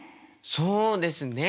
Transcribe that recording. そうですね。